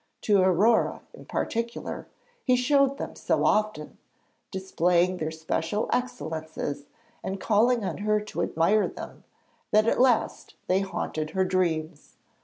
To Aurore, in particular, he showed them so often, displaying their special excellences and calling on her to admire them, that at last they haunted her dreams.